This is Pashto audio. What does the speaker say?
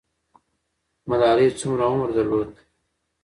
ملالۍ څومره عمر درلود؟